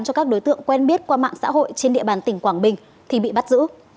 cho các đối tượng quen biết qua mạng xã hội trên địa bàn tỉnh quảng bình thì bị bắt giữ